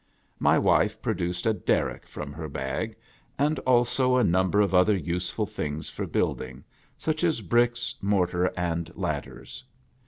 My wife pro duced a derrick from her bag, and also a number of other useful things for building, such as bricks, mor tar, and ladders.